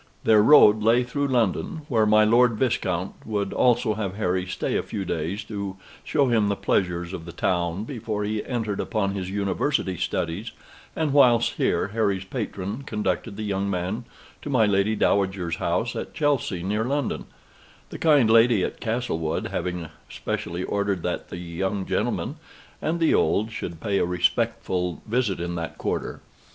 Their road lay through London, where my Lord Viscount would also have Harry stay a few days to show him the pleasures of the town before he entered upon his university studies, and whilst here Harry's patron conducted the young man to my Lady Dowager's house at Chelsey near London: the kind lady at Castlewood having specially ordered that the young gentleman and the old should pay a respectful visit in that quarter.